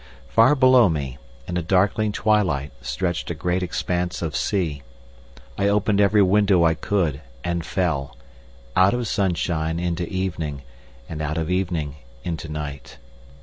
Far below me, in a darkling twilight, stretched a great expanse of sea. I opened every window I could, and fell—out of sunshine into evening, and out of evening into night.